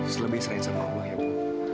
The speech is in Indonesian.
selebih serai sama allah ya ibu